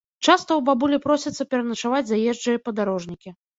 Часта ў бабулі просяцца пераначаваць заезджыя падарожнікі.